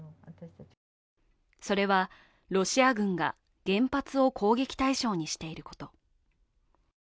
それはロシア軍が原発を攻撃対象にしていること。